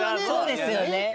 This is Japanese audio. そうですよね。